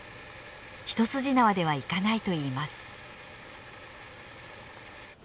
一筋縄ではいかないといいます。